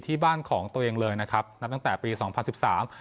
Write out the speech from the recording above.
บ้านของตัวเองเลยนะครับนับตั้งแต่ปีสองพันสิบสาม